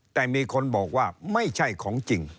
แต่มีคนบอกว่าไม่ใช่ของจริง